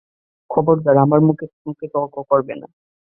খবরদার আমার মুখে মুখে তর্ক করবে না।